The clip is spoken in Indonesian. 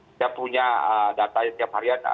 saya punya data setiap harian